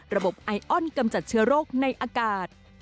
ไอออนกำจัดเชื้อโรคในอากาศ